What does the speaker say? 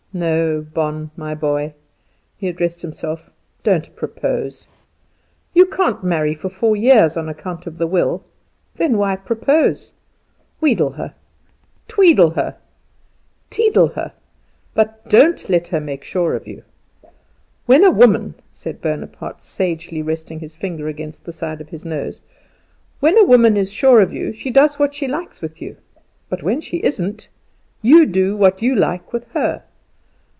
"No, Bon, my boy," he addressed himself, "don't propose! You can't marry for four years, on account of the will; then why propose? Wheedle her, tweedle her, teedle her, but don't let her make sure of you. When a woman," said Bonaparte, sagely resting his finger against the side of his nose, "When a woman is sure of you she does what she likes with you; but when she isn't, you do what you like with her.